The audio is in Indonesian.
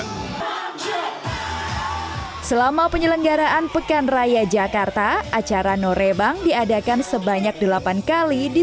hai selama penyelenggaraan pekan raya jakarta acara norebang diadakan sebanyak delapan kali di